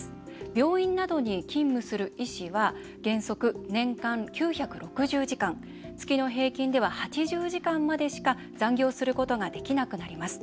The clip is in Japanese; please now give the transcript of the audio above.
病院などに勤務する医師は原則年間９６０時間月の平均では８０時間までしか残業することができなくなります。